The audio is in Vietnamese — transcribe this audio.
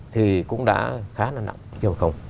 thì cũng đã khá là nặng